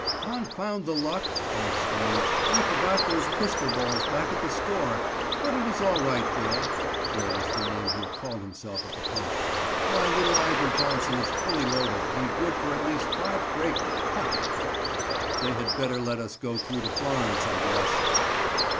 "Confound the luck!" I exclaimed, "I forgot those pistol balls back at the store, but it is all right, Bill" Bill was the name he had called himself at the pump "my little Iver Johnson is full loaded, and good for at least five brakemen. Ha! ha! ha! they had better let us go through to Florence, I guess."